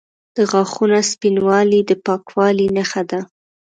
د غاښونو سپینوالی د پاکوالي نښه ده.